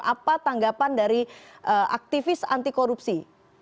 apa tanggapan dari aktivis anti korupsi